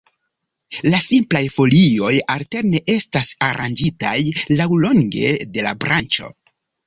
La simplaj folioj alterne estas aranĝitaj laŭlonge de la branĉo.